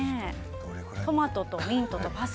トマトとミントとパセリ。